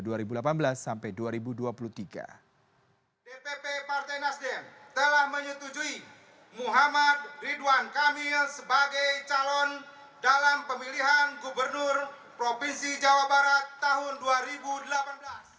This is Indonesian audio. dpp partai nasdem telah menyetujui muhammad ridwan kamil sebagai calon dalam pemilihan gubernur provinsi jawa barat tahun dua ribu delapan belas